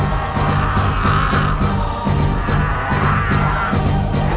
memematikan nama lima immigration yang hitam